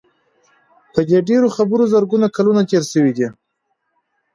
په دې ډېرو خبرو زرګونه کلونه تېر شوي دي.